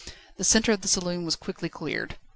The centre of the saloon was quickly cleared.